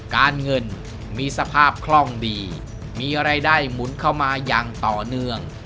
การเงินมีสภาพคล่องดีมีรายได้หมุนเข้ามาอย่างต่อเนื่อง